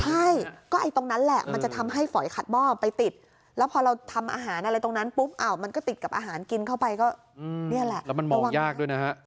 ใช่ก็ไอ้ตรงนั้นแหละมันจะทำให้ฝอยขัดหม้อไปติด